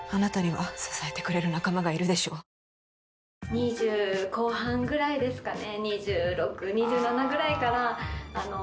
二十後半ぐらいですかね